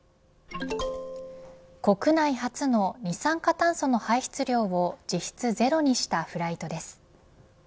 国内初の二酸化炭素の排出量を実質ゼロにしたフライトです。